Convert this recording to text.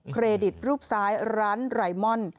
เครดิตรูปซ้ายร้านไรมอน